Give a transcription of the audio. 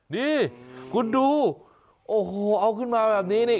นี่คุณดูโอ้โหเอาขึ้นมาแบบนี้นี่